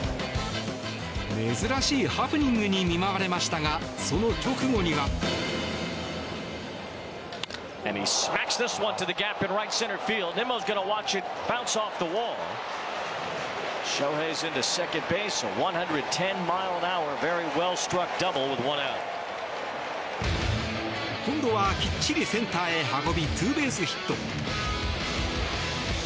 珍しいハプニングに見舞われましたがその直後には。今度はきっちりセンターへ運びツーベースヒット。